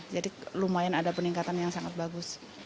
jadi lumayan ada peningkatan yang sangat bagus